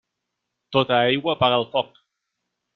Tota aigua apaga el foc.